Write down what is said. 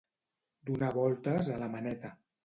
Donar voltes a la maneta.